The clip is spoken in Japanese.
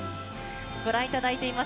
ご覧いただいています